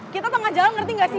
kita tengah jalan ngerti nggak sih